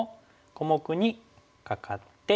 小目にカカって。